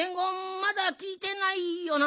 まだきいてないよな？